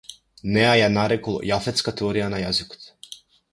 Неа ја нарекол јафетска теорија за јазикот.